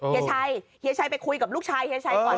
เฮีชัยเฮียชัยไปคุยกับลูกชายเฮียชัยก่อน